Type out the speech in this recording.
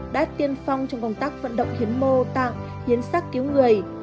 đã tiên phong trong công tác vận động hiến mô tạng hiến sát cứu người